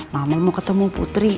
mama mau ketemu putri